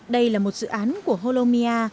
đây là một dự án của holomia